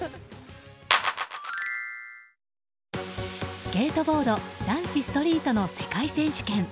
スケートボード男子ストリートの世界選手権。